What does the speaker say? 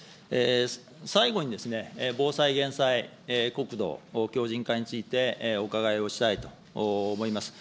最後にですね、防災・減災、国土強じん化についてお伺いをしたいと思います。